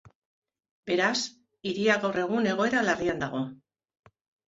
Beraz, hiria gaur egun egoera larrian dago.